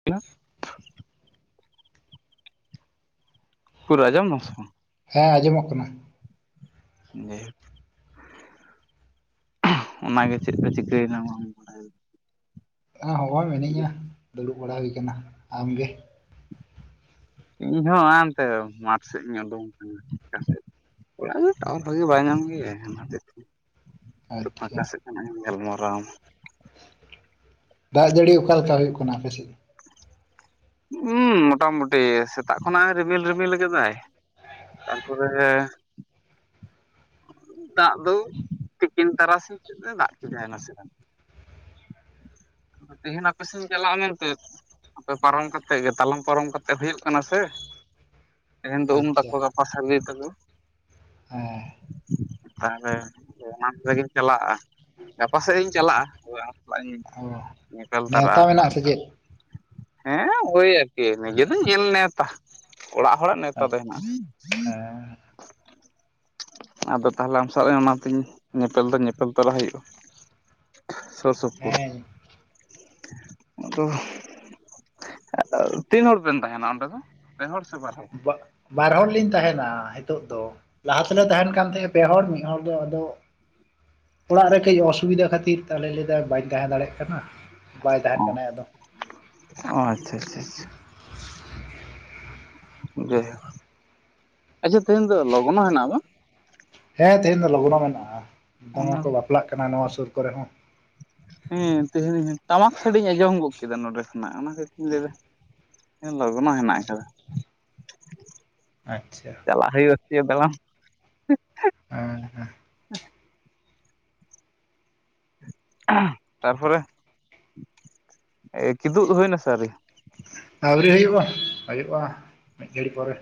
[unintelligible] ᱩᱠᱩᱨ ᱟᱸᱡᱚᱢ ᱫᱟᱢ ᱥᱮ ᱵᱟᱝ? ᱦᱮᱸ ᱟᱸᱡᱚᱢᱚᱜ ᱠᱟᱱᱟ᱾ ᱡᱟᱭᱦᱳᱠ ᱚᱱᱟ ᱜᱮ ᱪᱮᱫ ᱯᱮ ᱪᱤᱠᱟᱹᱭᱮᱫᱟ [unintelligible] [unintelligible] ᱢᱤᱱᱟᱹᱧᱟ ᱫᱩᱲᱩᱵ ᱵᱟᱲᱟ ᱦᱩᱭ ᱠᱟᱱᱟ ᱟᱢᱜᱮ? ᱤᱧᱦᱚᱸ ᱦᱟᱦᱮ-ᱱᱟᱱᱛᱮ ᱢᱟᱴᱷ ᱥᱮᱫ ᱤᱧ ᱩᱰᱩᱝ ᱠᱟᱱᱟ [unintelligible] ᱥᱮᱫ ᱚᱲᱟᱜ ᱨᱮ ᱴᱟᱣᱟᱨ ᱵᱷᱟᱜᱮ ᱵᱟᱭ ᱧᱟᱢ ᱜᱮᱭᱟ ᱚᱱᱟ ᱛᱮᱼᱼ ᱟᱪᱪᱷᱟ ᱯᱷᱟᱠᱟ ᱥᱮᱫ ᱠᱷᱚᱱᱟᱜ ᱤᱧ ᱜᱟᱞᱢᱟᱨᱟᱣ ᱟᱢᱟ᱾ ᱫᱟᱜ ᱡᱟᱹᱲᱤ ᱚᱠᱟᱞᱮᱠᱟ ᱦᱩᱭᱩᱜ ᱠᱟᱱᱟ ᱟᱯᱮ ᱥᱮᱫ? ᱩᱸ ᱢᱚᱴᱟᱢᱩᱴᱤ ᱥᱮᱛᱟᱜ ᱠᱷᱚᱱᱟᱜ ᱮ ᱨᱤᱢᱤᱞ ᱨᱤᱢᱤᱞ ᱠᱮᱫᱟᱭᱼᱼ ᱛᱟᱨᱯᱚᱨᱮᱼᱼ ᱫᱟᱜ ᱫᱚ ᱛᱤᱠᱤᱱ ᱛᱟᱨᱟᱥᱤᱧ ᱥᱮᱫ ᱮ ᱫᱟᱜ ᱠᱮᱫᱟᱭ ᱱᱟᱥᱮᱱᱟᱜ᱾ ᱛᱮᱦᱮᱱ ᱟᱯᱮ ᱥᱮᱱ ᱤᱧ ᱪᱟᱞᱟᱜ ᱟ ᱢᱮᱱᱛᱮᱫ᱾ ᱟᱯᱮ ᱯᱟᱨᱚᱢ ᱠᱟᱛᱮᱜ ᱜᱮ ᱛᱟᱞᱚᱢ ᱯᱟᱨᱚᱢ ᱠᱟᱛᱮᱜ ᱦᱩᱭᱩᱜ ᱠᱟᱱᱟ ᱥᱮᱼᱼ ᱛᱮᱦᱮᱧ ᱫᱚ ᱩᱢ ᱟᱪᱪᱷᱟ ᱛᱟᱠᱚ ᱜᱟᱯᱟ ᱥᱟᱹᱨᱫᱤ ᱛᱟᱠᱚ᱾ ᱦᱮᱸ ᱛᱟᱦᱚᱞᱮ ᱚᱱᱟ ᱠᱚᱨᱮ ᱜᱮᱢ ᱪᱟᱞᱟᱜ-ᱟ? ᱜᱟᱯᱟ ᱥᱮᱜ ᱤᱧ ᱪᱟᱞᱟᱜ-ᱟ᱾ ᱛᱚᱵᱮ ᱟᱢ ᱥᱟᱞᱟᱜ ᱤᱧᱼᱼ [unintelligible] ᱧᱮᱯᱮᱞ ᱱᱮᱣᱛᱟ ᱛᱟᱨᱟᱜ-ᱟ ᱢᱮᱱᱟᱜ ᱥᱮ ᱪᱮᱫ ᱦᱟᱸᱜ ᱳᱭ ᱟᱨᱠᱤ ᱱᱤᱡᱮ ᱫᱚ ᱧᱮᱞ ᱱᱮᱶᱛᱟ᱾ ᱚᱲᱟᱜ ᱦᱚᱲᱟᱜ ᱱᱮᱣᱛᱟ ᱫᱚ ᱟᱪᱪᱷᱟ, ᱦᱮᱱᱟᱜ-ᱟ᱾ [inaudible] ᱟᱫᱚ ᱛᱟᱦᱞᱮ ᱟᱢ ᱥᱟᱸᱣ ᱚᱱᱟᱛᱤᱧ ᱧᱮᱯᱮᱞ ᱫᱚ ᱧᱮᱯᱮᱞ ᱛᱚᱨᱟ ᱦᱩᱭᱩᱜ-ᱟ᱾ ᱥᱳᱨ ᱥᱳᱯᱩᱳ ᱦᱮᱸ ᱟᱫᱚᱦᱼᱼ ᱛᱤᱱ ᱦᱚᱲ ᱵᱤᱱ ᱛᱟᱦᱮᱸᱱᱟ ᱚᱸᱰᱮ ᱫᱚ? ᱯᱮ ᱦᱚᱲ ᱥᱮ ᱵᱟᱨ ᱦᱚᱲ᱾ ᱵᱟᱨ ᱦᱚᱲ ᱞᱤᱧ ᱛᱟᱦᱮᱸᱱᱟ ᱦᱤᱛᱳᱜ ᱫᱚ ᱞᱟᱦᱟ ᱛᱮᱞᱮ ᱛᱟᱦᱮᱸᱱ ᱠᱟᱱ ᱛᱟᱦᱮᱸᱜᱼᱼ ᱯᱮ ᱦᱚᱲ ᱢᱤᱫ ᱦᱚᱲ ᱫᱚ ᱟᱫᱚᱼᱼ ᱚᱲᱟᱜ ᱨᱮ ᱠᱟᱹᱡ ᱚᱥᱩᱵᱤᱫᱟ ᱠᱷᱟᱹᱛᱤᱨ ᱛᱟᱦᱚᱞᱮ ᱞᱟᱹᱭᱫᱟᱭ ᱵᱟᱹᱧ ᱛᱟᱦᱮᱸ ᱫᱟᱲᱮᱭᱟᱜ ᱠᱟᱱᱟ ᱵᱟᱭ ᱛᱟᱦᱮᱸᱱ ᱠᱟᱱᱟ ᱟᱫᱚ ᱚ ᱟᱪᱪᱷᱟ-ᱟᱪᱪᱷᱟ-ᱟᱪᱪᱷᱟ᱾ ᱡᱟᱭᱦᱳᱠ ᱟᱪᱪᱷᱟ ᱛᱮᱦᱮᱧ ᱫᱚ ᱞᱚᱜᱚᱱᱚ ᱦᱮᱱᱟᱜ-ᱟ ᱵᱟᱝ? ᱦᱮᱸ ᱛᱮᱦᱮᱧ ᱫᱚ ᱞᱚᱜᱚᱱᱚ ᱢᱮᱱᱟᱜ-ᱟ ᱫᱚᱢᱮ ᱚᱱᱟ ᱠᱚ ᱵᱟᱯᱞᱟᱜ ᱠᱟᱱᱟ ᱱᱚᱣᱟ ᱥᱩᱨ ᱠᱚᱨᱮ ᱦᱚᱸ᱾ ᱦᱮᱸ ᱛᱮᱦᱮᱧ ᱴᱟᱢᱟᱠ ᱥᱟᱹᱰᱤᱧ ᱟᱸᱡᱚᱢ ᱜᱚᱫ ᱠᱮᱫᱟ ᱱᱚᱰᱮ ᱠᱷᱚᱱᱟᱜ ᱚᱱᱟ ᱠᱟᱹᱛᱧ ᱤᱧ ᱞᱟᱹᱭ ᱮᱫᱟᱼᱼ ᱞᱚᱜᱚᱱᱚ ᱦᱮᱱᱟᱜ ᱟᱠᱟᱫᱟ᱾ ᱟᱪᱪᱷᱟ ᱪᱟᱞᱟᱜ ᱦᱳᱭ [unintelligible] ᱫᱟᱬᱟᱱ᱾ ᱦᱩᱸ ᱦᱮᱸ ᱛᱟᱨᱯᱚᱨᱮ ᱠᱤᱫᱩᱜ ᱫᱚ ᱦᱩᱭᱱᱟ ᱥᱮ ᱟᱨᱤᱭᱟ? ᱟᱣᱨᱤ ᱦᱩᱭᱩᱜ-ᱟ ᱦᱳᱭᱳᱜ-ᱟ ᱢᱤᱫ ᱜᱷᱟᱹᱲᱤᱡ ᱯᱚᱨᱮ᱾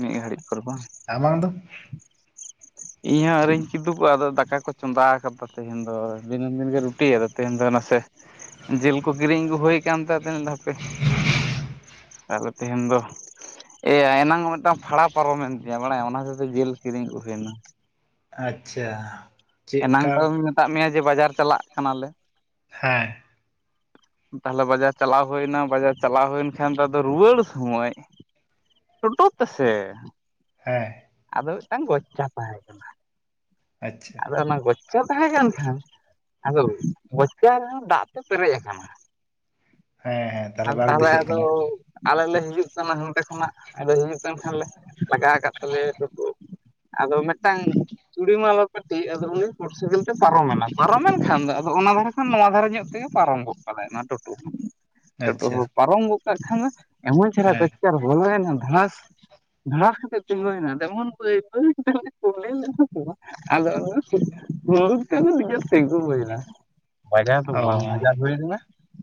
ᱢᱤᱫ ᱜᱷᱟᱹᱲᱤᱡ ᱯᱚᱨ ᱵᱟᱝ ᱟᱢᱟᱝ ᱫᱚ? ᱤᱧ ᱦᱚᱸ ᱟᱣᱨᱤᱧ ᱠᱤᱫᱩᱜᱚᱜ-ᱟ ᱟᱫᱚ ᱫᱟᱠᱟ ᱠᱚ ᱪᱚᱸᱫᱟ ᱟᱠᱟᱫᱟ ᱛᱮᱦᱮᱧ ᱫᱚ ᱫᱤᱱᱟᱹᱢ ᱫᱤᱱ ᱜᱮ ᱨᱩᱼᱼ ᱴᱤ ᱛᱮᱦᱮᱧ ᱫᱚ ᱱᱟᱥᱮ ᱡᱤᱞ ᱠᱚ ᱠᱤᱨᱤᱧ ᱟᱹᱜᱩ ᱦᱩᱭ ᱠᱟᱱ ᱛᱮ ᱟᱫᱚᱧ ᱢᱮᱱᱫᱟ ᱦᱟᱯᱮᱼᱼ ᱛᱟᱦᱚᱞᱮ ᱛᱮᱦᱮᱧ ᱫᱚ ᱮᱭᱟ ᱮᱱᱟᱝ ᱢᱤᱫᱴᱟᱝᱼᱼ ᱵᱷᱟᱲᱟ ᱯᱟᱨᱚᱢᱮᱱ ᱛᱤᱧᱟ ᱵᱟᱲᱟᱭᱟᱢ ᱚᱱᱟ ᱠᱷᱟᱛᱤᱛᱮ ᱡᱤᱞ ᱠᱤᱨᱤᱧ ᱟᱹᱜᱩ ᱦᱩᱭ ᱮᱱᱟ᱾ ᱟᱪᱪᱷᱟ᱾ ᱮᱱᱟᱝ ᱪᱮᱫᱠᱟ ᱛᱟᱣᱤᱧ ᱢᱮᱛᱟᱫ ᱢᱮᱭᱟ ᱡᱮ ᱵᱟᱡᱟᱨ ᱪᱟᱞᱟᱜ ᱠᱟᱱᱟ ᱞᱮ᱾ ᱦᱮᱸ ᱛᱟᱦᱚᱞᱮ ᱵᱟᱡᱟᱨ ᱪᱟᱞᱟᱣ ᱦᱳᱭᱮᱱᱟ ᱵᱟᱡᱟᱨ ᱪᱟᱞᱟᱣ ᱦᱳᱭᱮᱱ ᱠᱷᱟᱱ ᱫᱚ ᱟᱫᱚ ᱨᱩᱣᱟᱹᱲ ᱥᱳᱢᱚᱡᱼᱼ ᱴᱳᱴᱳ ᱛᱮ-ᱥᱮᱼᱼ ᱦᱮᱸ ᱟᱫᱚ ᱢᱤᱫᱴᱟᱝ ᱜᱚᱪᱪᱟ ᱛᱟᱦᱮᱸ ᱠᱟᱱᱟ, ᱟᱪᱪᱷᱟ ᱟᱫᱚ ᱚᱱᱟ ᱜᱚᱪᱪᱟ ᱛᱟᱦᱮᱸ ᱠᱟᱱ ᱠᱷᱟᱱ, ᱟᱫᱚ ᱜᱚᱪᱪᱟ ᱨᱮᱦᱚᱸ ᱫᱟᱜ ᱛᱮ ᱯᱮᱨᱮᱡ ᱟᱠᱟᱱᱟ᱾ ᱦᱮᱸ ᱦᱮᱸ ᱟ, ᱵᱟᱝ ᱛᱟᱦᱚᱞᱮ ᱫᱤᱥᱟᱹᱜ ᱟᱫᱚ ᱠᱟᱱᱟ ᱟᱞᱮ ᱞᱮ ᱦᱤᱡᱩᱜ ᱠᱟᱱᱟ ᱦᱟᱱᱛᱮ ᱠᱷᱚᱱᱟᱜ ᱟᱫᱚ ᱦᱤᱡᱩᱜ ᱠᱟᱱ ᱠᱷᱟᱱ ᱞᱮ ᱞᱟᱜᱟ ᱠᱟᱫ ᱛᱟᱞᱮᱭᱟ ᱴᱳ ᱟᱫᱚ ᱢᱮᱫᱴᱟᱝ, [unintelligible] ᱢᱟᱞᱟ ᱯᱟᱹᱴᱤ ᱟᱫᱚ ᱩᱱᱤ ᱢᱚᱴᱚᱨᱥᱟᱭᱠᱮᱞ ᱛᱮ ᱯᱟᱨᱚᱢᱮᱱᱟ᱾ ᱯᱟᱨᱚᱢᱮᱱ ᱠᱷᱟᱱ ᱫᱚ ᱟᱫᱚ ᱚᱱᱟ ᱫᱷᱟᱨᱮ ᱠᱷᱚᱱ ᱱᱚᱣᱟ ᱫᱷᱟᱨᱮ ᱧᱚᱜ ᱛᱮᱜᱮ ᱯᱟᱨᱚᱢ ᱜᱚᱜ ᱠᱟᱫᱟᱭ ᱱᱚᱣᱟ ᱴᱳᱴᱳ ᱦᱚᱸ᱾ ᱴᱳᱴᱳ ᱟᱪᱪᱷᱟ ᱦᱚᱸ ᱯᱟᱨᱚᱢ ᱜᱚᱫ ᱠᱟᱜ ᱠᱷᱟᱱ-ᱮ ᱮᱢᱚᱱ ᱪᱮᱨᱦᱟ ᱦᱮᱸ ᱠᱷᱚᱪᱪᱟᱨᱮ ᱵᱚᱞᱚᱭᱮᱱᱟ ᱫᱷᱟᱲᱟᱥ, ᱫᱷᱟᱲᱟᱥ ᱠᱟᱛᱮᱫ ᱛᱮᱜᱳᱭᱱᱟ ᱛᱮᱢᱚᱱ ᱵᱟᱹᱭ ᱵᱟᱹᱭ [unintelligible] ᱠᱳᱸᱰᱮᱞᱱᱟ᱾ [unintelligible] ᱟᱫᱚ [unintelligible] ᱱᱤᱡᱮ ᱛᱮᱸᱜᱳ ᱦᱳᱭᱱᱟ᱾ ᱵᱟᱡᱟᱣ ᱫᱚ ᱚ ᱵᱟᱝ ᱵᱟᱡᱟᱣ ᱦᱩᱭ ᱞᱮᱱᱟ?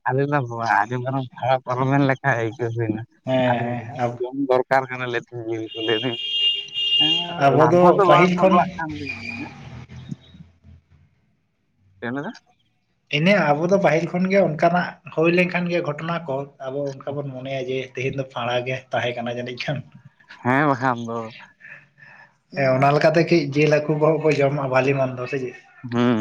ᱟᱞᱮ ᱫᱚ ᱵᱚ ᱟᱸᱡᱚᱢ ᱠᱷᱟᱱᱮᱢ ᱠᱷᱟᱨᱟᱯ ᱟᱞᱚᱵᱮᱱ ᱞᱮᱠᱷᱟ ᱟᱹᱭᱠᱟᱹ ᱦᱩᱭᱱᱟ᱾ ᱦᱮᱸ ᱟᱫᱚ ᱦᱮᱸ ᱡᱚᱢ ᱫᱚᱨ ᱠᱟᱨ ᱠᱟᱱᱟᱞᱮ ᱛᱮᱦᱮᱧ ᱡᱤᱞ ᱠᱚᱞᱮ [unintelligible] ᱮᱸᱻ ᱟᱵᱚ ᱞᱟᱱᱫᱟ ᱫᱚ ᱵᱟᱝ ᱯᱟᱹᱦᱤᱞ ᱠᱷᱚᱱ ᱥᱟᱯᱲᱟᱜ ᱠᱟᱱ ᱛᱤᱧᱟ᱾ ᱦᱮᱸ ᱪᱮᱫ ᱮᱢ ᱞᱟᱹᱭ ᱫᱟ? ᱤᱱᱟᱹ ᱟᱵᱚ ᱫᱚ ᱯᱟᱹᱦᱤᱞ ᱠᱷᱚᱱᱜᱮ ᱚᱱᱠᱟᱱᱟᱜ ᱦᱳᱭ ᱞᱮᱱᱠᱷᱟᱱ ᱜᱮ ᱜᱷᱚᱴᱚᱱᱟ ᱠᱚ ᱟᱵᱚ ᱚᱱᱠᱟ ᱵᱚᱱ ᱢᱚᱱᱮᱭᱟ ᱡᱮ, ᱛᱮᱦᱮᱧ ᱫᱚ ᱯᱷᱟᱸᱲᱟᱜᱮ ᱛᱟᱦᱮᱸ ᱠᱟᱱᱟ ᱡᱟᱹᱱᱤᱡ ᱠᱷᱟᱱ, ᱦᱮᱸ ᱵᱟᱠᱷᱟᱱ ᱫᱚ ᱦᱮᱸ ᱚᱱᱟ ᱞᱮᱠᱟᱛᱮ ᱠᱟᱹᱡ ᱡᱮᱞ ᱦᱟ ᱠᱩ [unintelligible] ᱡᱚᱢ ᱟᱜ-ᱟ ᱵᱟᱹᱞᱤ ᱢᱚᱱ ᱫᱚ ᱥᱮ ᱪᱮᱫ? ᱦᱩᱸ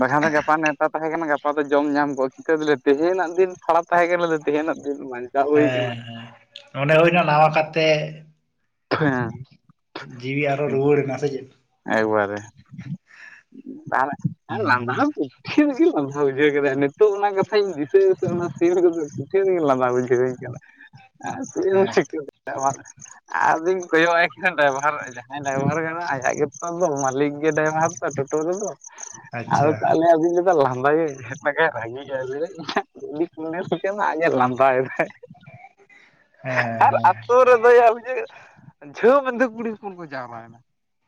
ᱵᱟᱠᱷᱟᱱ ᱫᱚ ᱜᱟᱯᱟ ᱱᱮᱶᱛᱟ, ᱛᱟᱦᱮᱸ ᱠᱟᱱᱟ᱾ ᱜᱟᱯᱟ ᱫᱚ ᱡᱚᱢ ᱧᱟᱢ ᱠᱚᱜ-ᱟ ᱪᱤᱠᱟᱹ ᱫᱚᱞᱮ ᱛᱮᱦᱮᱧᱟᱜ ᱫᱤᱱ ᱯᱷᱟᱲᱟ ᱛᱟᱦᱮᱸ ᱠᱟᱱᱟᱞᱮ ᱛᱮᱦᱮᱧᱟᱜ ᱫᱤᱱ ᱵᱟ ᱦᱮᱸ ᱦᱮᱸ ᱚᱱᱮ ᱦᱩᱭᱱᱟ ᱱᱟᱣᱟ ᱠᱟᱛᱮ, ᱦᱮᱸ ᱡᱤᱣᱤ ᱟᱨᱚ ᱨᱩᱣᱟᱹᱲ ᱮᱱᱟ ᱥᱮ ᱪᱮᱫ? ᱮᱠᱵᱟᱨᱮ ᱛᱟᱦᱚᱞᱮ ᱟᱨ ᱞᱟᱸᱫᱟ ᱦᱩᱸ ᱦᱚᱸ ᱠᱩᱴᱴᱷᱤᱱ ᱞᱤᱧ ᱞᱟᱱ ᱫᱟ ᱵᱩᱡᱷᱟᱹᱣ ᱠᱮᱫᱟ ᱱᱤᱛᱚᱜ ᱚᱱᱟ ᱠᱟᱛᱷᱟᱧ ᱫᱤᱥᱟᱹᱭᱟ ᱫᱟ ᱥᱮ ᱚᱱᱟ ᱥᱤᱱ ᱠᱚᱫᱚ ᱠᱩᱴᱷᱤᱱᱜᱮ ᱞᱟᱱᱫᱟ ᱵᱩᱡᱷᱟᱹᱣᱤᱧ ᱠᱟᱱᱟ᱾ ᱟᱨ ᱪᱮᱫ ᱮᱢ ᱦᱮᱸᱛᱚ ᱪᱤᱠᱟᱹ ᱫᱟ, [unintelligible] ᱟᱫᱚᱧ ᱠᱚᱭᱚᱜᱟᱭ ᱠᱟᱱᱟ ᱰᱟᱭᱵᱷᱟᱨ ᱡᱟᱸᱦᱟᱭ ᱰᱟᱭᱵᱷᱟᱨ ᱜᱮ ᱢᱮᱱᱟᱭᱟ ᱟᱭᱟᱜ ᱜᱮ, ᱟᱫᱚ ᱢᱟᱹᱞᱤᱠ ᱜᱮ ᱰᱟᱭᱵᱷᱟᱨ ᱫᱚ ᱴᱳᱴᱳ ᱨᱮᱫᱚ ᱟᱫᱚ ᱟᱪᱪᱷᱟ ᱛᱟᱦᱚᱞᱮ ᱟᱫᱚᱧ ᱞᱟᱸᱫᱟᱭᱟᱹᱧ ᱮᱴᱟᱜ ᱜᱮ ᱨᱟᱹᱜᱤ ᱟᱭ ᱞᱟᱹᱭᱫᱟᱭ ᱤᱧᱟᱹᱜ ᱜᱟᱹᱰᱤ ᱠᱳᱸᱰᱮᱞ ᱠᱟᱱᱟ ᱟᱡ ᱮ ᱞᱟᱸᱫᱟᱭᱫᱟᱭ᱾ [inaudible] ᱦᱮᱸ ᱟᱨ ᱦᱮᱸ ᱟᱹᱛᱳ ᱨᱮᱫᱚ ᱭᱟ [unintelligible] ᱡᱷᱟᱹᱣ ᱢᱮᱱᱛᱮ ᱠᱩᱲᱤ ᱦᱚᱯᱚᱱ ᱠᱚ ᱡᱟᱣᱨᱟᱭᱮᱱᱟ᱾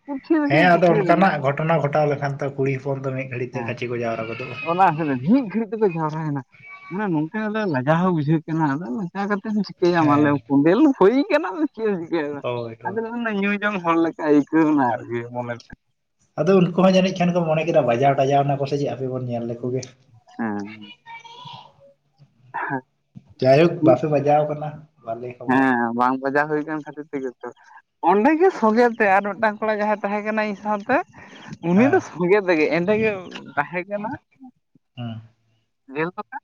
ᱠᱩᱴᱷᱤ ᱨᱮᱜᱮ ᱦᱮᱸ ᱟᱫᱚ ᱠᱩᱴᱷᱤ ᱨᱮᱜᱮ ᱚᱱᱠᱟᱱᱟᱜ ᱜᱷᱚᱴᱚᱱᱟ ᱜᱷᱚᱴᱟᱣ ᱞᱮᱠᱷᱟᱱ ᱛᱚ ᱠᱩᱲᱤ ᱦᱚᱯᱚᱱ ᱫᱚ ᱢᱤᱫ, ᱜᱷᱟᱹᱲᱤᱡ ᱛᱮ ᱦᱮᱸ ᱠᱟᱪᱷᱤ ᱠᱚ ᱡᱟᱣᱨᱟ ᱜᱚᱫᱚᱜᱼᱟ᱾ ᱚᱱᱟ ᱠᱷᱟᱹᱛᱤᱨ ᱢᱤᱫ ᱜᱷᱟᱹᱲᱤᱡ, ᱛᱮᱠᱚ ᱡᱟᱣᱨᱟᱭᱮᱱᱟ ᱢᱟᱱᱮ ᱱᱚᱝᱠᱟ ᱟᱫᱚ ᱞᱟᱡᱟᱣ ᱦᱚᱸ ᱵᱩᱡᱷᱟᱹᱜ ᱠᱟᱱᱟ ᱟᱫᱚ, ᱪᱟᱣ ᱠᱟᱛᱮᱢ ᱮᱢ ᱪᱤᱠᱟᱹᱭᱟ ᱢᱟ ᱦᱮᱸ ᱞᱟᱹᱭᱢᱮ ᱠᱚᱸᱰᱮᱞ ᱦᱳᱭ ᱠᱟᱱᱟ᱾ ᱟᱫᱚ ᱪᱮᱫ ᱮᱢ ᱪᱤᱠᱟᱭᱟ ᱢᱟ ᱦᱳᱭ ᱟᱫᱚ ᱦᱳᱭ ᱚᱱᱟ ᱧᱩᱭ ᱡᱚᱝ ᱦᱚᱲ ᱞᱮᱠᱟ ᱟᱹᱭᱠᱟᱹᱣ ᱮᱱᱟ ᱟᱨᱠᱤ ᱢᱚᱱᱮ ᱛᱮ, ᱟᱫᱚ ᱩᱱᱠᱩ ᱦᱚᱸ ᱡᱟᱹᱱᱤᱡ ᱠᱷᱟᱱ ᱠᱚ ᱢᱚᱱᱮ ᱠᱮᱫᱟ ᱵᱟᱡᱟᱣ ᱴᱟᱡᱟᱣ ᱱᱟᱠᱚ ᱥᱮ ᱪᱮᱫ ᱦᱟᱯᱮ ᱵᱚᱱ ᱧᱮᱞ ᱞᱮᱠᱚᱜᱮ, ᱦᱮᱸ ᱡᱟᱭᱦᱳᱠ ᱵᱟᱯᱮ ᱵᱟᱡᱟᱣ ᱠᱟᱱᱟ᱾ ᱵᱷᱟᱞᱮ ᱠᱷᱚᱵᱚᱨ ᱦᱮᱸ ᱵᱟᱝ ᱵᱟᱡᱟᱣ ᱦᱳᱭ ᱠᱟᱱ ᱠᱷᱟᱹᱛᱤᱨ, ᱛᱮᱜᱮ ᱛᱚ ᱚᱸᱰᱮᱜᱮ ᱥᱚᱝᱜᱮ ᱛᱮ ᱟᱨ ᱢᱮᱫᱴᱟᱝ ᱠᱚᱲᱟ ᱡᱟᱸᱦᱟᱭ ᱛᱟᱦᱮᱸ ᱠᱟᱱᱟᱭ ᱤᱧ ᱥᱟᱶᱛᱮ, ᱩᱱᱤ ᱫᱚ ᱦᱮᱸ ᱥᱚᱝᱜᱮ ᱛᱮᱜᱮ ᱮᱸᱰᱮ ᱜᱮ ᱛᱟᱦᱮᱸ ᱠᱟᱱᱟ᱾ ᱦᱩᱸ ᱵᱮᱞ ᱯᱟᱛᱟ,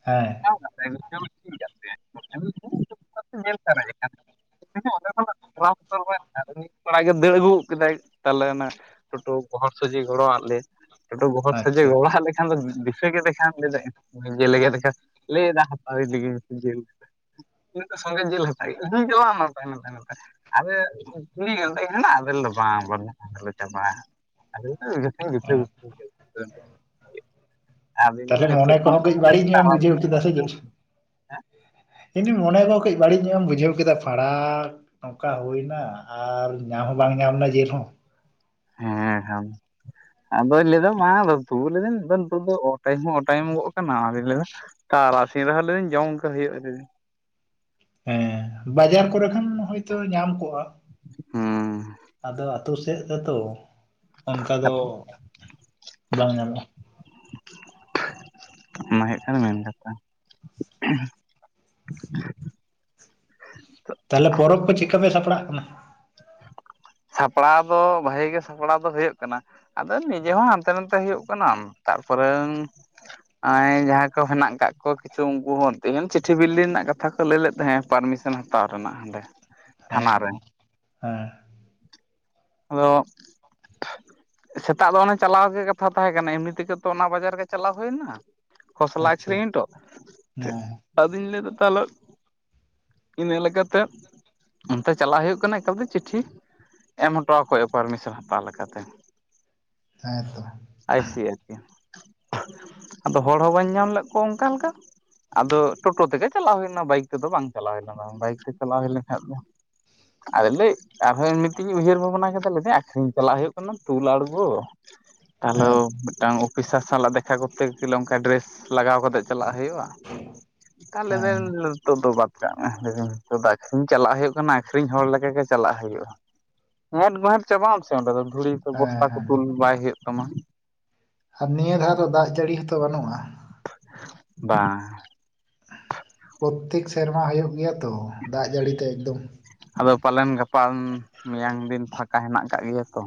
ᱦᱮᱸ᱾ [unintelligible] [unintelligible] ᱟᱫᱚ ᱢᱤᱫ ᱠᱚᱲᱟ ᱜᱮᱭ ᱫᱟᱹᱲ ᱟᱹᱜᱩ ᱜᱚᱫ ᱠᱮᱫᱟᱭ ᱛᱟᱦᱚᱞᱮ ᱚᱱᱟ ᱴᱳᱴᱳ ᱜᱚᱦᱚᱲ ᱥᱚᱡᱷᱮ ᱜᱚᱲᱚᱣ ᱟᱫ ᱞᱮ ᱴᱳᱴᱳ ᱜᱚᱦᱚᱲ ᱥᱚᱡᱷᱮ ᱟᱪᱪᱷᱟ ᱜᱚᱲᱚᱣ ᱟᱫ ᱞᱮᱠᱷᱟᱱ ᱫᱚ ᱫᱤᱥᱟᱹ ᱠᱮᱫᱮ ᱠᱷᱟᱱ ᱞᱟᱹᱭᱫᱟᱭ [unintelligible] ᱞᱟᱹᱭ ᱫᱟ ᱦᱟᱛᱟᱣ ᱤᱫᱤ ᱜᱤᱧ [unintelligible] ᱩᱱᱤᱫᱚ ᱥᱚᱝᱜᱮ ᱡᱮᱞ ᱦᱟᱛᱟᱣ ᱠᱮᱜ-ᱟᱭ ᱤᱫᱤ ᱪᱟᱞᱟᱣ ᱱᱟᱢ ᱛᱟᱭᱱᱚᱢ ᱛᱟᱭᱱᱚᱢ ᱛᱮ ᱟᱨᱮ ᱠᱩᱞᱤᱭᱮ ᱠᱟᱱᱟ ᱞᱟᱹᱭᱫᱟᱹᱧ ᱦᱮᱸᱱᱟᱜ-ᱟ ᱟᱫᱚᱭ ᱞᱟᱹᱭᱫᱟ ᱵᱟᱝ ᱵᱟᱹᱱᱩᱜ-ᱟ ᱛᱟᱦᱞᱮ ᱪᱟᱵᱟ ᱟᱠᱟᱱᱟ ᱟᱫᱚᱭ ᱞᱟᱹᱭᱫᱟ ᱡᱷᱚᱛᱚᱧ ᱜᱩᱪᱷᱟᱹ ᱦᱮᱸ ᱜᱩᱪᱷᱤ ᱠᱟᱫᱟ᱾ [unintelligible] ᱟᱫᱚᱧ ᱞᱟᱹᱭᱫᱟ ᱛᱟᱦᱚᱞᱮ ᱢᱚᱱᱮ ᱱᱤᱛᱚᱜ ᱵᱟᱹᱧ ᱠᱚᱦᱚᱸ ᱠᱟᱹᱡ ᱟᱹᱜᱩ ᱵᱟᱹᱲᱤᱡ ᱞᱮᱠᱷᱟᱱ ᱧᱚᱜ ᱮᱢ ᱛᱟᱨᱟ ᱵᱩᱡᱷᱟᱹᱣ ᱠᱮᱫᱟ ᱥᱮ ᱪᱮᱜ᱾ ᱦᱮᱸ᱾ ᱤᱧᱫᱚᱧ ᱢᱚᱱᱮᱭ ᱫᱟ ᱠᱟᱹᱡ ᱵᱟᱹᱲᱤᱡ ᱧᱚᱜ ᱮᱢ ᱵᱩᱡᱷᱟᱹᱣ ᱠᱮᱫᱟ ᱯᱟᱲᱦᱟ ᱱᱚᱝᱠᱟ ᱦᱩᱭᱱᱟ ᱟᱨ ᱧᱟᱢ ᱦᱚᱸ ᱵᱟᱝ ᱧᱟᱢᱱᱟ ᱡᱤᱞᱦᱚᱸ᱾ ᱦᱮᱸ [unintelligible] ᱟᱫᱚᱭ ᱞᱟᱹᱭᱫᱟ ᱢᱟ ᱛᱩᱵᱩ ᱞᱮᱵᱮᱱ ᱫᱟᱹᱞ ᱩᱛᱩ ᱫᱚ ᱚ ᱴᱟᱭᱤᱢ ᱦᱚᱸ ᱚ ᱴᱟᱭᱤᱢ ᱜᱚᱜ ᱠᱟᱱᱟ ᱟᱫᱚ ᱞᱟᱹᱭᱫᱟ ᱛᱟᱨᱟᱥᱤᱧ ᱨᱮᱦᱚᱸ ᱞᱤᱧ ᱡᱚᱢ ᱟᱠᱟ ᱦᱩᱭᱩᱜ-ᱟ ᱞᱮᱫᱤᱧ᱾ ᱦᱮᱸ ᱵᱟᱡᱟᱨ ᱠᱚᱨᱮ ᱠᱷᱟᱱ ᱦᱚᱭᱛᱳ ᱧᱟᱢ ᱠᱚᱜ-ᱟ᱾ ᱦᱩᱸ ᱟᱫᱚ ᱟᱛᱳ ᱥᱮᱫ ᱨᱮᱛᱚ ᱚᱱᱠᱟ ᱫᱚ ᱵᱟᱝ ᱧᱟᱢᱚᱜ-ᱟ᱾ ᱚᱱᱟ ᱦᱩᱭᱩᱜ ᱠᱷᱟᱱ ᱢᱮᱱ ᱠᱟᱛᱷᱟ᱾ ᱛᱟᱦᱞᱮ ᱯᱚᱨᱚᱵᱽ ᱠᱚ ᱪᱮᱫᱠᱟ ᱯᱮ ᱥᱟᱯᱲᱟᱜ ᱠᱟᱱᱟ? ᱥᱟᱯᱲᱟᱣ ᱫᱚ ᱵᱷᱟᱜᱤ ᱜᱮ ᱥᱟᱯᱲᱟᱣ ᱫᱚ ᱦᱩᱭᱩᱜ ᱠᱟᱱᱟ᱾ ᱟᱫᱚ ᱱᱤᱡᱮ ᱦᱚᱸ ᱦᱟᱱᱛᱮ ᱱᱟᱛᱮ ᱦᱩᱭᱩᱜ ᱠᱟᱱᱟ ᱛᱟᱨᱯᱚᱨᱮ ᱟᱸᱭ ᱡᱟᱦᱟᱸᱭ ᱠᱚ ᱦᱮᱱᱟᱜ ᱠᱟᱜ ᱠᱚ ᱠᱤᱪᱷᱩ ᱩᱝᱠᱩ ᱦᱚᱸ ᱛᱤᱦᱤᱧ ᱪᱤᱴᱷᱤ ᱵᱤᱞᱤ ᱨᱮᱱᱟᱜ ᱠᱟᱛᱷᱟ ᱠᱚ ᱞᱟᱹᱭ ᱞᱮᱫ ᱛᱟᱦᱮᱸ ᱯᱟᱨᱢᱤ ᱥᱮᱱ ᱦᱟᱛᱟᱣ ᱨᱮᱱᱟᱜ ᱦᱟᱸᱰᱮ᱾ ᱛᱷᱟᱱᱟ ᱦᱮᱸ ᱨᱮ [unintelligible] ᱦᱮᱸ᱾ ᱟᱫᱚ ᱥᱮᱛᱟᱜ ᱫᱚ ᱚᱱᱮ ᱪᱟᱞᱟᱣ ᱜᱮ ᱠᱟᱛᱷᱟ ᱛᱟᱦᱮᱸ ᱠᱟᱱᱟ ᱮᱢᱱᱤ ᱛᱮᱜᱮ ᱛᱚ ᱚᱱᱟ ᱵᱟᱡᱟᱨ ᱜᱮ ᱪᱟᱞᱟᱣ ᱦᱩᱭᱱᱟ᱾ ᱠᱷᱚᱥᱞᱟ ᱟᱪᱪᱷᱟ ᱟᱹᱠᱷᱨᱤᱧ ᱦᱚᱴᱚ ᱦᱮᱸ ᱟᱫᱚᱧ ᱞᱟᱹᱭᱫᱟ ᱛᱟᱦᱚᱞᱮ ᱤᱱᱟᱹ ᱞᱮᱠᱟᱛᱮ ᱚᱱᱛᱮ ᱪᱟᱞᱟᱜ ᱦᱩᱭᱩᱜ ᱠᱟᱱᱟ ᱮᱠᱟᱞᱛᱮ ᱪᱤᱴᱷᱤ ᱮᱢ ᱦᱚᱴᱚᱣᱟᱠᱚ ᱦᱩᱭᱩᱜ-ᱟ ᱯᱟᱨᱢᱤᱥᱮᱱ ᱦᱟᱛᱟᱣ ᱞᱮᱠᱟᱛᱮ᱾ ᱦᱮᱸ ᱛᱚ᱾ ᱟᱭᱥᱤ ᱟᱨᱠᱤ ᱟᱫᱚ ᱦᱚᱲ ᱦᱚᱸ ᱵᱟᱹᱧ ᱧᱟᱢ ᱞᱮᱫ ᱠᱚᱣᱟ ᱚᱱᱠᱟ ᱞᱮᱠᱟ᱾ ᱟᱫᱚ ᱴᱳᱴᱳ ᱛᱮᱜᱮ ᱪᱟᱞᱟᱣ ᱦᱩᱭᱱᱟ ᱵᱟᱭᱤᱠ ᱛᱮᱫᱚ ᱵᱟᱝ ᱪᱟᱞᱟᱣ ᱦᱩᱭ ᱞᱮᱱᱟ ᱵᱟᱝ ᱵᱟᱭᱤᱠ ᱛᱮ ᱪᱟᱞᱟᱣ ᱦᱩᱭ ᱞᱮᱱ ᱠᱷᱟᱡ ᱫᱚ᱾ ᱟᱫᱚ ᱞᱟᱹᱡ ᱟᱨᱦᱚᱭ ᱢᱤᱫᱽ ᱛᱮᱜᱮᱧ ᱩᱭᱦᱟᱹᱨ ᱵᱷᱟᱵᱽᱱᱟ ᱠᱮᱫᱟ ᱞᱟᱹᱭ ᱫᱟᱹᱧ ᱟᱹᱠᱷᱨᱤᱧ ᱪᱟᱞᱟᱜ ᱦᱩᱭᱩᱜ ᱠᱟᱱᱟ ᱛᱩᱞ ᱟᱹᱲᱜᱚ ᱛᱟᱦᱚᱞᱮ ᱦᱮᱸ ᱢᱤᱫᱴᱟᱝ ᱯᱚᱭᱥᱟ ᱥᱟᱞᱟᱜ ᱫᱮᱠᱷᱟ ᱠᱚᱨᱛᱮ ᱜᱮᱞᱮ ᱚᱱᱠᱟ ᱰᱨᱮᱥ ᱞᱟᱜᱟᱣ ᱠᱟᱛᱮᱫ ᱪᱟᱞᱟᱜ ᱦᱩᱭᱩᱜ-ᱟ᱾ ᱛᱟᱦᱞᱮ ᱞᱟᱹᱭ ᱦᱮᱸ ᱫᱳ ᱱᱤᱛᱚᱜ ᱫᱚ ᱵᱟᱫᱽ ᱠᱟᱜ ᱢᱮ ᱞᱟᱹᱭ ᱫᱟᱹᱧ ᱱᱤᱛᱚᱜ ᱫᱚ ᱟᱹᱠᱷᱨᱤᱧ ᱪᱟᱞᱟᱜ ᱦᱩᱭᱩᱜ ᱠᱟᱱᱟ ᱟᱹᱷᱨᱤᱧ ᱦᱚᱲ ᱞᱮᱠᱟ ᱜᱮ ᱪᱟᱞᱟᱜ ᱦᱩᱭᱩᱜ-ᱟ᱾ ᱮᱸᱦᱮᱴ ᱜᱮᱸᱦᱮᱴ ᱪᱟᱵᱟᱜ ᱟᱢ ᱥᱮ ᱚᱸᱰᱮ ᱫᱚ ᱫᱷᱩᱲᱤ ᱠᱚ ᱦᱮᱸ ᱵᱚᱥᱛᱟ ᱠᱚ ᱦᱮᱸ ᱛᱩᱞ ᱵᱟᱭ ᱦᱩᱭᱩᱜ ᱛᱟᱢᱟ᱾ ᱟᱨ ᱱᱤᱭᱟᱹ ᱫᱷᱟᱣ ᱫᱚ ᱫᱟᱜ ᱡᱟᱹᱲᱤ ᱦᱚᱸᱛᱚ ᱵᱟᱹᱱᱩᱜ-ᱟ? ᱵᱟᱝ᱾ ᱯᱨᱚᱛᱮᱠ ᱥᱮᱨᱢᱟ ᱦᱩᱭᱩᱜ ᱜᱮᱭᱟ ᱛᱚ ᱫᱟᱜ ᱡᱟᱹᱲᱤ ᱛᱮ ᱮᱠᱫᱚᱢ ᱟᱫᱚ ᱯᱟᱞᱮᱱ ᱜᱟᱯᱟ ᱢᱮᱭᱟᱝ ᱫᱤᱱ ᱯᱷᱟᱠᱟ ᱦᱮᱱᱟᱜ ᱟᱠᱟᱫ ᱜᱮᱭᱟ ᱛᱚ᱾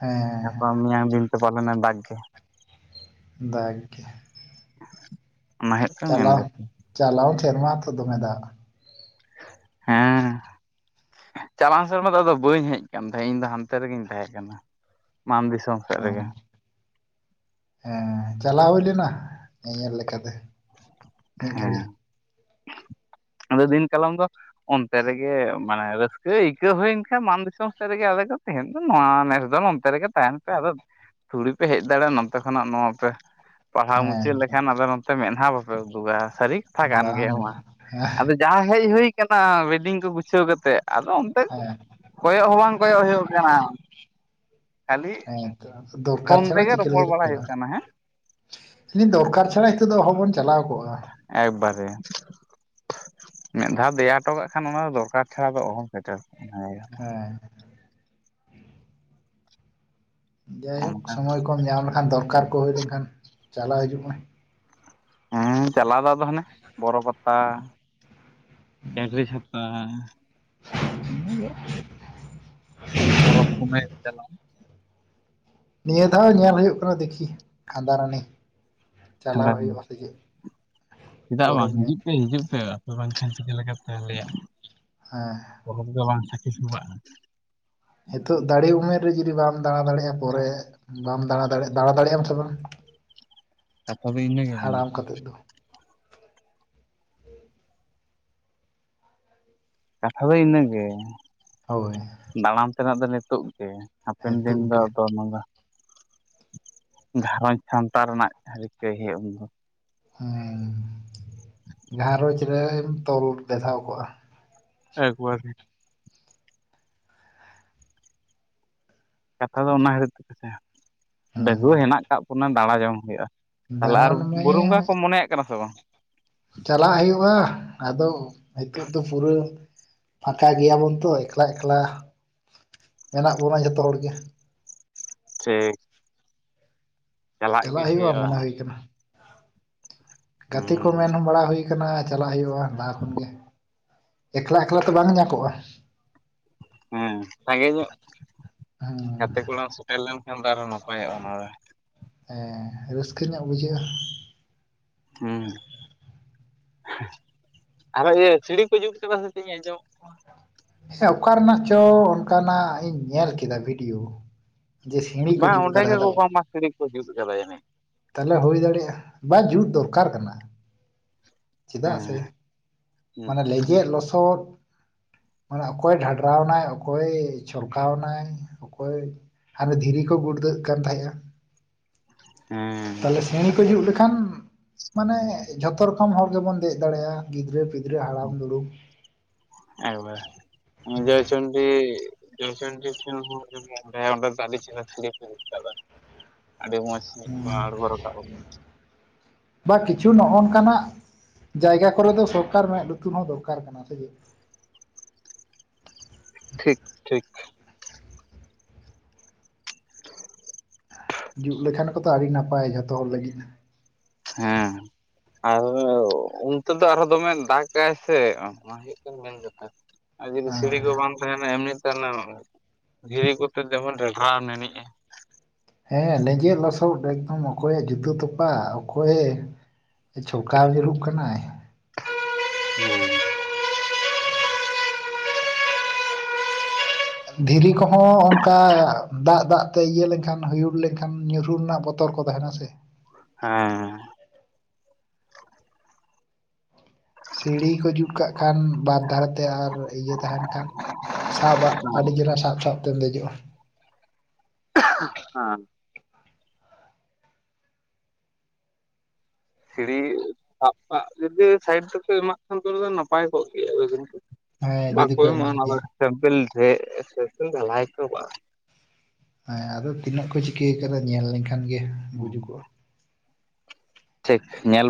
ᱦᱮᱸ ᱜᱟᱯᱟ ᱦᱮᱸ ᱢᱮᱧᱟᱝ ᱫᱤᱱ ᱛᱮ ᱯᱟᱞᱮᱱᱮ ᱫᱟᱜ ᱜᱮ᱾ ᱫᱟᱜᱽ ᱜᱮ᱾ ᱚᱱᱟ ᱦᱩᱭᱩᱜ ᱠᱟᱱᱟ ᱢᱮᱱ ᱠᱟᱛᱷᱟ᱾ ᱪᱟᱞᱟᱣ ᱥᱮᱨᱢᱟ ᱦᱚᱛᱚ ᱫᱚᱢᱮ ᱫᱟᱜ? ᱦᱮᱸ, ᱪᱟᱞᱟᱣ ᱥᱮᱨᱢᱟ ᱫᱚ ᱟᱫᱚ ᱵᱟᱹᱧ ᱦᱮᱡ ᱠᱟᱱ ᱛᱟᱦᱮᱸᱫ ᱤᱧ ᱫᱚ ᱦᱟᱱᱛᱮ ᱨᱮᱜᱤᱧ ᱛᱟᱦᱮᱸ ᱠᱟᱱᱟ ᱢᱟᱱ ᱫᱤᱥᱚᱢ᱾ ᱥᱮᱫ ᱚ ᱨᱮᱜᱮ ᱦᱮᱸ ᱪᱟᱞᱟᱣ ᱦᱩᱭ ᱞᱮᱱᱟ ᱧᱮᱧᱮᱞ ᱞᱮᱠᱟᱛᱮ᱾ ᱢᱤᱫ ᱜᱷᱟᱹᱲᱤ ᱦᱮᱸ, ᱟᱫᱚ ᱫᱤᱱ ᱠᱟᱞᱚᱢ ᱫᱚ ᱚᱱᱛᱮ ᱨᱮᱜᱮ ᱢᱟᱱᱮ ᱨᱟᱹᱥᱠᱟᱹ ᱟᱹᱭᱠᱟᱹᱣ ᱦᱩᱭᱮᱱ ᱠᱷᱟᱱ ᱢᱟᱱ ᱫᱤᱥᱚᱢ ᱥᱮᱫ ᱨᱮᱜᱮ ᱟᱞᱮ ᱫᱚ ᱛᱮᱦᱮᱱ ᱫᱚ ᱱᱚᱣᱟ ᱱᱮᱥ ᱫᱚ ᱱᱚᱛᱮ ᱨᱮᱜᱮ ᱛᱟᱦᱮᱱ ᱯᱮ, ᱟᱫᱚ ᱛᱷᱩᱲᱤ ᱯᱮ ᱦᱮᱡ ᱫᱟᱲᱮᱭᱟᱜᱼᱟ ᱱᱚᱛᱮ ᱠᱷᱚᱱᱟᱜ ᱱᱚᱣᱟ ᱯᱮ ᱯᱟᱲᱦᱟᱣ ᱦᱮᱸ ᱢᱩᱪᱟᱹᱫ ᱛᱚ ᱞᱮᱠᱷᱟᱱ, ᱟᱫᱚ ᱱᱚᱛᱮ ᱢᱮᱫᱦᱟ ᱵᱟᱯᱮ ᱩᱫᱩᱜᱟ ᱥᱟᱨᱤ ᱠᱟᱛᱷᱟ ᱠᱟᱱ ᱵᱟᱝ ᱜᱮ ᱦᱮᱸ ᱢᱟ, ᱟᱫᱚ ᱡᱟᱦᱟᱸ ᱦᱮᱡ ᱦᱳᱭ ᱠᱟᱱᱟ, ᱵᱮᱰᱤᱝ ᱠᱚ ᱜᱩᱪᱷᱟᱹᱣ ᱠᱟᱛᱮᱫ ᱟᱫᱚ ᱚᱱ ᱦᱮᱸ, ᱠᱚᱭᱚᱜ ᱦᱚᱸ ᱵᱟᱝ ᱠᱚᱭᱚᱜ ᱦᱳᱭᱳᱜ ᱠᱟᱱᱟ᱾ ᱠᱷᱟᱞᱤ, ᱦᱮᱸ ᱛᱚ, ᱫᱚᱨᱠᱟᱨ ᱪᱷᱟᱲᱟ ᱪᱤᱠᱟᱹᱞᱮᱠᱟᱛᱮᱢ ᱦᱩᱭᱩᱜ ᱪᱟᱞᱟᱜ-ᱟ᱾ ᱠᱟᱱᱟ ᱦᱮᱸ ᱞᱟᱹᱭᱫᱟᱹᱧ ᱫᱚᱨᱠᱟᱨ ᱪᱷᱟᱲᱟ, ᱦᱤᱛᱚᱜ ᱫᱚ ᱚᱦᱚ ᱵᱚᱱ ᱪᱟᱞᱟᱣ ᱠᱚᱜᱼᱟ᱾ ᱮᱠᱵᱟᱨᱮ, ᱢᱤᱫ ᱫᱷᱟᱣ ᱫᱮᱭᱟ ᱦᱚᱴᱚ ᱠᱟᱜ ᱠᱷᱟᱱ, ᱚᱱᱟ ᱫᱚ ᱫᱚᱨᱠᱟᱨ ᱪᱷᱟᱲᱟ ᱫᱚ ᱚᱦᱚᱢ ᱥᱮᱴᱮᱨ ᱠᱚᱜᱼᱟ ᱾ ᱦᱮᱸ, ᱡᱟᱭᱦᱳᱠ ᱚᱱᱠᱟ ᱥᱚᱢᱚᱭ ᱠᱚᱢ ᱧᱟᱢ ᱞᱮᱠᱷᱟᱱ, ᱫᱚᱨᱠᱟᱨ ᱠᱚ ᱦᱳᱭ ᱞᱮᱱᱠᱷᱟᱱ, ᱪᱟᱞᱟᱣ ᱦᱤᱡᱩᱜ ᱢᱮ᱾ ᱦᱮᱸ ᱪᱟᱞᱟᱣ ᱫᱚ ᱟᱫᱚ ᱦᱟᱱᱮ, ᱵᱚᱨᱚ ᱯᱟᱛ ᱛᱟ, ᱪᱟᱱᱰᱨᱤ ᱪᱷᱟᱛᱟ, ᱤᱱᱟᱹᱜᱮ [inaudible] [inaudible] ᱯᱚᱨᱚᱵ ᱢᱩᱱᱟᱹᱭ ᱨᱮ ᱪᱟᱞᱟᱣ ᱱᱤᱭᱟᱹ ᱫᱷᱟᱣ ᱧᱮᱞ ᱦᱳᱭᱳᱜ ᱠᱟᱱᱟ, ᱫᱮᱠᱷᱤ ᱠᱷᱟᱸᱫᱟ ᱨᱟᱱᱤ, ᱪᱟᱞᱟᱣ ᱪᱟᱞᱟᱜ ᱦᱳᱭᱳᱜᱼᱟ ᱥᱮ ᱪᱮᱫ? ᱪᱮᱫᱟᱜ ᱵᱟᱝ, ᱯᱚᱨᱚᱵᱽ ᱧᱚᱜ ᱦᱤᱡᱩᱜ ᱯᱮ, ᱦᱤᱡᱩᱜ ᱯᱮ, ᱟᱯᱮ ᱵᱟᱝᱠᱷᱟᱱ ᱪᱤᱠᱟᱹ ᱞᱮᱠᱟ ᱛᱮ ᱟᱞᱮᱭᱟᱜ ᱦᱮᱸ, ᱯᱚᱨᱚᱵᱽ ᱜᱮ ᱵᱟᱝ, ᱥᱟᱹᱠᱷᱤ ᱥᱵᱟᱜᱼᱟ᱾ ᱦᱮᱛᱳᱜ ᱫᱟᱲᱮ ᱩᱢᱮᱨ ᱨᱮ ᱡᱩᱫᱤ ᱵᱟᱢ ᱫᱟᱬᱟ ᱫᱟᱲᱮᱜᱼᱟ, ᱯᱚᱨᱮ ᱵᱟᱢ ᱫᱟᱬᱟ ᱫᱟᱲᱮᱜᱼᱟ ᱫᱟᱬᱟ ᱫᱟᱲᱮᱜᱼᱟᱢ ᱥᱮ ᱵᱟᱝ? ᱠᱟᱛᱷᱟ ᱫᱚ ᱤᱱᱟᱹ ᱜᱮ ᱠᱟᱱᱟ᱾ ᱦᱟᱲᱟᱢ ᱠᱟᱛᱮᱫ ᱫᱚ ᱠᱟᱛᱷᱟ ᱫᱚ ᱤᱱᱟᱹᱜᱮ᱾ ᱦᱳᱭ, ᱫᱟᱬᱟᱱ ᱛᱮᱱᱟᱜ ᱫᱚ ᱱᱮᱛᱳᱜ ᱜᱮ, ᱦᱟᱯᱮᱱ ᱫᱤᱱ ᱱᱤᱛᱚᱜ ᱫᱚ ᱜᱮ ᱟᱫᱚ ᱚᱱᱟ ᱫᱚ ᱜᱷᱟᱸᱨᱚᱡᱽ ᱥᱟᱢᱴᱟᱶ ᱨᱮᱱᱟᱜ ᱨᱤᱠᱟᱹᱭ ᱦᱳᱭᱳᱜᱼᱟ ᱩᱱ ᱫᱚ᱾ ᱦᱩᱸ, ᱜᱷᱟᱸᱨᱚᱡᱽ ᱨᱮᱢ ᱛᱚᱞ ᱵᱮᱫᱷᱟᱣ ᱠᱚᱜᱼᱟ᱾ ᱮᱠ ᱵᱟᱨᱮ, ᱠᱟᱛᱷᱟ ᱫᱚ ᱚᱱᱟ ᱠᱷᱟᱛᱤᱨ ᱛᱮᱜᱮ ᱛᱚ, ᱦᱮᱸ ᱰᱟᱹᱜᱩᱣᱟᱹ ᱦᱮᱱᱟᱜ ᱠᱟᱜ ᱵᱚᱱᱟ, ᱫᱟᱬᱟ ᱡᱚᱝ ᱦᱳᱭᱳᱜᱼᱟ᱾ ᱛᱟᱦᱚᱞᱮ ᱟᱨ ᱫᱟᱬᱟᱱ ᱵᱩᱨᱩ ᱵᱚᱸᱜᱟ ᱢᱟᱭᱟ ᱠᱚᱢ, ᱢᱚᱱᱮᱭᱟᱜ ᱠᱟᱱᱟ ᱥᱮ ᱵᱟᱝ? ᱪᱟᱞᱟᱜ ᱦᱳᱭᱳᱜᱼᱟ, ᱟᱫᱚ ᱦᱮᱛᱳᱜ ᱫᱚ ᱯᱩᱨᱟᱹ ᱯᱷᱟᱸᱠᱟ ᱜᱮᱭᱟᱵᱚᱱ ᱛᱚ ᱮᱠᱞᱟ, ᱮᱠᱞᱟ ᱢᱮᱱᱟᱜ ᱵᱚᱱᱟ ᱡᱷᱚᱛᱚ ᱦᱚᱲᱜᱮ᱾ ᱴᱷᱤᱠ, ᱪᱟᱞᱟᱜ ᱦᱳᱭᱳᱜᱼᱟ, ᱦᱩᱭᱩᱜᱼᱟ ᱢᱚᱱᱮ ᱦᱳᱭ ᱠᱟᱱᱟ᱾ ᱜᱟᱛᱮ ᱠᱚ ᱦᱮᱸ ᱢᱮᱱ ᱵᱟᱲᱟ ᱦᱳᱭ ᱠᱟᱱᱟ, ᱪᱟᱞᱟᱜ ᱦᱳᱭᱳᱜᱼᱟ, ᱞᱟᱦᱟ ᱠᱷᱚᱱᱜᱮ᱾ ᱮᱠᱞᱟ, ᱮᱠᱞᱟ ᱛᱚ ᱵᱟᱝ ᱧᱟ ᱠᱚᱜᱼᱟ᱾ ᱦᱮᱸ, ᱥᱟᱸᱜᱮ ᱧᱚᱜ ᱦᱩᱸ ᱜᱟᱛᱮ ᱠᱚᱲᱟᱢ ᱥᱮᱴᱮᱨ ᱞᱮᱱᱠᱷᱟᱱ ᱫᱚ, ᱟᱨᱦᱚᱸ ᱱᱟᱯᱟᱭᱚᱜᱼᱟ ᱚᱱᱟ ᱫᱚ᱾ ᱦᱮᱸ, ᱨᱟᱹᱥᱠᱟᱹ ᱧᱚᱜ ᱵᱩᱡᱷᱟᱹᱜᱼᱟ᱾ ᱦᱮᱸ ᱟᱨᱚ ᱤᱭᱟᱹ ᱥᱤᱲᱤ ᱠᱚ ᱡᱩᱛ ᱠᱟᱫᱟ ᱥᱮ ᱪᱮᱫ ᱟᱸᱡᱚᱢ ᱥᱮᱸ ᱚᱠᱟ ᱨᱮᱱᱟᱜ ᱪᱚ, ᱚᱱᱠᱟᱱᱟᱜ ᱤᱧ ᱧᱮᱞ ᱠᱮᱫᱟ ᱵᱷᱤᱰᱤᱭᱳ᱾ ᱡᱮ ᱥᱤᱲᱤ ᱠᱚ ᱵᱟᱝ ᱡᱩᱛ ᱚᱸᱰᱮ ᱠᱟᱫᱟ ᱜᱮ ᱠᱚ ᱟᱫᱚ ᱵᱟᱝᱢᱟ, ᱥᱤᱲᱤ ᱠᱚ ᱡᱩᱛ ᱠᱟᱫᱟ ᱡᱟᱹᱱᱤᱡ ᱛᱟᱦᱚᱞᱮ ᱦᱩᱭ ᱫᱟᱲᱮᱭᱟᱜᱼᱟ, ᱵᱟ ᱡᱩᱛ ᱫᱚᱨᱠᱟᱨ ᱠᱟᱱᱟ᱾ ᱪᱮᱫᱟᱜ ᱥᱮ, ᱦᱩᱸ ᱢᱟᱱᱮ ᱞᱮᱸᱡᱮᱫ ᱞᱚᱥᱚᱫ ᱢᱟᱱᱮ ᱚᱠᱚᱭ ᱰᱷᱟᱰᱨᱟᱣᱱᱟᱭ, ᱚᱠᱚᱭ ᱪᱷᱚᱞᱠᱟᱣᱱᱟᱭ, ᱚᱠᱚᱭ ᱟᱨ ᱫᱷᱤᱨᱤ ᱠᱚ, ᱜᱩᱲᱫᱟᱹᱜ ᱠᱟᱱ ᱛᱟᱦᱮᱸᱜᱼᱟ᱾ ᱦᱮᱸ ᱛᱟᱦᱚᱞᱮ ᱥᱤᱸᱬᱤ ᱠᱚ ᱡᱩᱛ ᱮᱠᱵᱟᱨᱮ ᱞᱮᱠᱷᱟᱱ ᱢᱟᱱᱮ ᱡᱷᱚᱛᱚ ᱨᱚᱠᱚᱢ ᱦᱚᱲ ᱜᱮᱵᱚᱱ ᱫᱮᱡ ᱫᱟᱲᱮᱜᱼᱟ, ᱜᱤᱫᱽᱨᱟᱹ ᱯᱤᱫᱽᱨᱟᱹ ᱦᱟᱲᱟᱢ ᱫᱩᱲᱩᱢ᱾ ᱮᱵᱟᱨ ᱡᱚᱭᱪᱚᱱᱰᱤ ᱡᱚᱭᱪᱚᱱᱰᱤ ᱴᱷᱮᱱ ᱦᱚ, ᱟᱹᱰᱤ ᱢᱚᱡ ᱜᱮ ᱚᱱᱰᱮ ᱫᱚ, ᱟᱹᱰᱤ ᱪᱮᱨᱦᱟ ᱥᱤᱲᱤ ᱠᱚ ᱡᱩᱛ ᱠᱟᱫᱟ, ᱟᱰᱤ ᱢᱚᱡ᱾ ᱦᱮᱸ, [unintelligible] ᱵᱟ ᱠᱤᱪᱷᱩ ᱱᱚᱜ-ᱚᱱ ᱠᱟᱱᱟᱜ ᱡᱟᱭᱜᱟ ᱠᱚᱨᱮ ᱫᱚ, ᱥᱚᱨᱠᱟᱨ ᱢᱮᱫ ᱞᱩᱛᱩᱨ ᱦᱚᱸ ᱫᱚᱨᱠᱟᱨ ᱠᱟᱱᱟ ᱥᱮ ᱪᱮ ᱴᱷᱤᱠ, ᱴᱷᱤᱠ, ᱡᱩᱜ ᱞᱮᱠᱷᱟᱱ ᱠᱚᱛᱚ ᱟᱹᱰᱤ ᱱᱟᱯᱟᱭ ᱡᱷᱚᱛᱚ ᱦᱚᱲ ᱞᱟᱹᱜᱤᱫ᱾ ᱦᱮᱸ, ᱟᱨ ᱩ ᱩᱱᱛᱮ ᱫᱚ ᱟᱨᱦᱚ ᱫᱚᱢᱮ ᱫᱟᱜᱟᱭ ᱥᱮ ᱟᱸ ᱣᱟ ᱦᱩ ᱪᱤᱠᱟᱹᱢ ᱢᱮᱱ ᱡᱩᱛᱟ? ᱟ ᱡᱩᱫᱤ ᱥᱤᱲᱤ ᱜᱚ ᱟᱨ ᱵᱟᱝ ᱛᱟᱦᱮᱱᱟ, ᱮᱢᱱᱤ ᱛᱮ ᱚᱱᱟ ᱫᱷᱤᱨᱤ ᱠᱚᱛᱮ ᱡᱮᱢᱚᱱ ᱰᱷᱮᱰᱨᱟᱣ ᱱᱮᱱᱤᱡᱼᱟ ᱾ ᱦᱮᱸᱻ, ᱞᱮᱸᱡᱮᱫ ᱞᱚᱥᱚᱫ ᱮᱠᱫᱚᱢ ᱚᱠᱚᱭᱮᱜ ᱡᱩᱛᱟᱹ ᱛᱚᱯᱟᱜ, ᱚᱠᱚᱭᱮ ᱪᱷᱚᱞᱠᱟᱣ ᱧᱩᱨᱩᱜ ᱠᱟᱱᱟᱭ ᱾ ᱦᱩᱸ, ᱫᱷᱤᱨᱤ ᱠᱚᱦᱚᱸ ᱚᱱᱠᱟ ᱩᱸ ᱫᱟᱜ-ᱫᱟᱜ ᱛᱮ ᱤᱭᱟᱹ ᱞᱮᱱᱠᱷᱟᱱ, ᱦᱚᱭᱩᱨ ᱞᱮᱱᱠᱷᱟᱱ ᱧᱩᱨᱦᱩ ᱨᱮᱱᱟᱜ ᱵᱚᱛᱚᱨ ᱠᱚ ᱛᱟᱦᱮᱱᱟ ᱥᱮ ᱾ ᱦᱮᱸ, ᱥᱤᱲᱤ ᱠᱚ ᱡᱩᱴ ᱠᱟᱜ ᱠᱷᱟᱱ ᱵᱟᱨ ᱫᱷᱟᱨᱮᱛᱮ ᱟᱨ ᱤᱭᱟᱹ ᱛᱟᱦᱮᱱ ᱠᱷᱟᱱ ᱥᱟᱵᱟᱜ ᱟᱹᱰᱤ ᱪᱮᱨᱟ ᱥᱟᱵ ᱥᱟᱵ ᱛᱮᱢ ᱫᱮᱡᱚᱜᱼᱟ ᱾ ᱟᱝ, ᱥᱤᱲᱤ ᱥᱟᱵ ᱥᱟᱜ [inaudible] ᱥᱟᱭᱤᱴ [inaudible] ᱮᱢᱟᱜ ᱠᱷᱟᱱ [inaudible] ᱱᱟᱯᱟᱭ ᱠᱚᱜ ᱠᱮᱭᱟ ᱦᱮᱸ [inaudible] ᱡᱩᱫᱤ ᱵᱟᱠᱚ ᱠᱚ ᱮᱢᱟᱜ ᱮᱢᱚᱜ-ᱟ, ᱚᱱᱟ ᱫᱚ ᱢᱮᱭᱟ ᱥᱮᱹᱢᱯᱮᱹᱞ ᱰᱷᱮ ᱥᱮᱹᱢᱯᱮᱹᱞ ᱰᱷᱟᱞᱟᱭ ᱠᱚ ᱮᱢᱟᱜ-ᱟ ᱾ ᱮᱸ ᱟᱫᱚ ᱛᱤᱱᱟᱹᱜ ᱠᱚ ᱪᱤᱠᱟᱹ ᱠᱟᱫᱟ ᱧᱮᱞ ᱞᱮᱱᱠᱷᱟᱱ ᱜᱮ ᱵᱩᱡᱩᱜᱚᱜ ᱴᱤᱠ ᱧᱮᱞᱯ